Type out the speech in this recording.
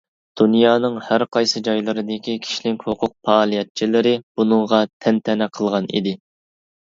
دۇنيانىڭ ھەر قايسى جايلىرىدىكى كىشىلىك ھوقۇق پائالىيەتچىلىرى بۇنىڭغا تەنتەنە قىلغان ئىدى.